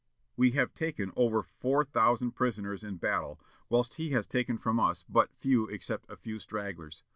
We have taken over four thousand prisoners in battle, whilst he has taken from us but few except a few stragglers.